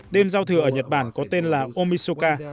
đêm giao thừa ở nhật bản có tên là omisoka